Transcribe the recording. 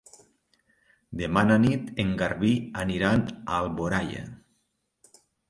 Demà na Nit i en Garbí aniran a Alboraia.